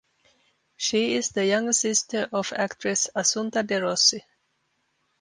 She is the younger sister of actress Assunta De Rossi.